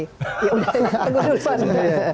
ya udah teguh duluan